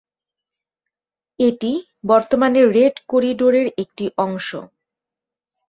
এটি বর্তমানে রেড করিডোরের একটি অংশ।